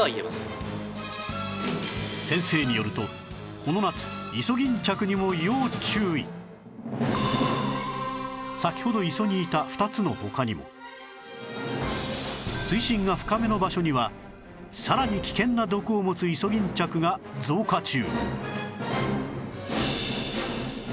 先生によると先ほど磯にいた水深が深めの場所にはさらに危険な毒を持つイソギンチャクが増加中